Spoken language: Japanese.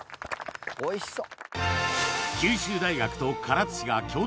おいしそっ。